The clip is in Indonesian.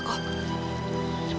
kamu gak apa apa